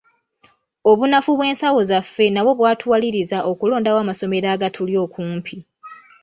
Obunafu bw’ensawo zaffe nabwo bwatuwaliriza okulondawo amasomero agatuli okumpi .